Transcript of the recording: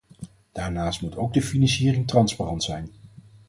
Daarnaast moet ook de financiering transparant zijn.